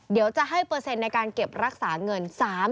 เดี๋ยวจะให้เปอร์เซ็นต์ในการเก็บรักษาเงิน